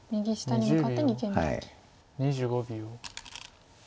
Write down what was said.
２５秒。